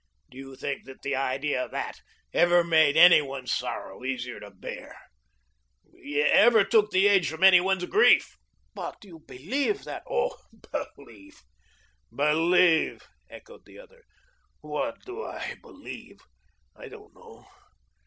Do you think that the idea of that ever made any one's sorrow easier to bear? Ever took the edge from any one's grief?" "But you believe that " "Oh, believe, believe!" echoed the other. "What do I believe? I don't know.